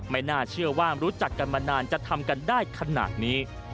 ไม่น่าเชื่อว่ารู้จักกันมานานจะทำกันได้ขนาดนี้